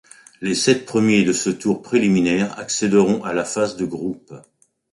Les sept premiers de ce tour préliminaire accéderont à la phase de groupes.